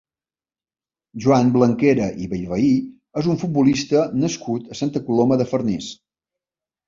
Joan Blanquera i Bellvehí és un futbolista nascut a Santa Coloma de Farners.